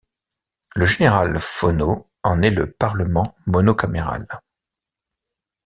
Le General Fono en est le parlement monocaméral.